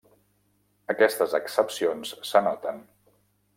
Aquestes excepcions s'anoten.